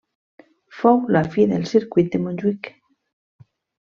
Fou la fi del circuit de Montjuïc.